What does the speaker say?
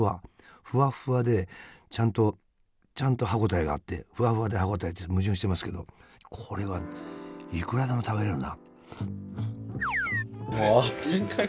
ふわふわでちゃんとちゃんと歯応えがあってふわふわで歯応えって矛盾してますけどこれはいくらでも食べれるな。